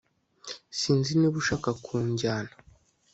Sinzi niba ashaka kujyana